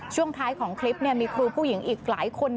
ช่วงท้ายของคลิปมีครูผู้หญิงอีกหลายคน